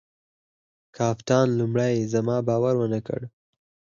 کپتان لومړي زما باور ونه کړ.